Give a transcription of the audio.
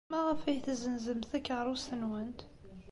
Maɣef ay tessenzemt takeṛṛust-nwent?